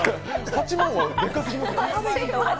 ８万はでかすぎますよ。